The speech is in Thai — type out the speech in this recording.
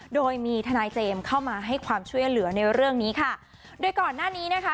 โดยมีทนายเจมส์เข้ามาให้ความช่วยเหลือในเรื่องนี้ค่ะโดยก่อนหน้านี้นะคะ